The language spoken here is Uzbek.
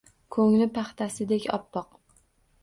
Ko’ngli- paxtasidek oppoq.